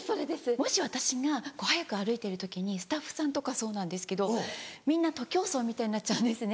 もし私が速く歩いてる時にスタッフさんとかそうなんですけどみんな徒競走みたいになっちゃうんですね